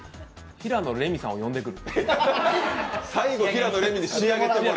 平野レミさんを呼んでくる。